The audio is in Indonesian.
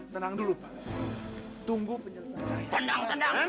tenang dulu tunggu penyelesaian